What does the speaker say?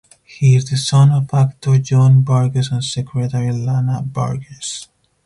He is the son of actor John Burgess and Secretary Lana Burgess.